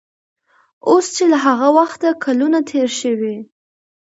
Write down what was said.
اوس چې له هغه وخته کلونه تېر شوي